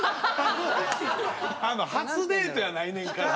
初デートやないねんから。